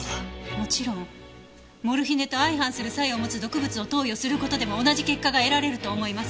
もちろんモルヒネと相反する作用を持つ毒物を投与する事でも同じ結果が得られると思います。